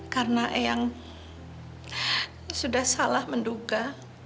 karena eyang sudah salah menduga